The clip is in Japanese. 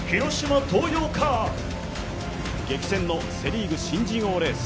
激戦のセ・リーグ新人王レース。